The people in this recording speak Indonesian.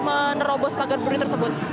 menerobos pagar buruh tersebut